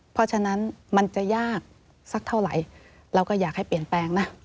เพราะฉะนั้นมันจะยากสักเท่าไหร่เราก็อยากให้เปลี่ยนแปลงนะ